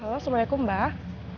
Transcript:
halo assalamualaikum mbak